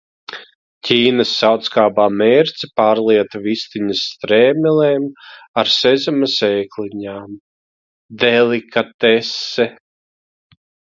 Ķīnas saldskābā mērce pārlieta vistiņas strēmelēm ar sezama sēkliņām. Delikatese.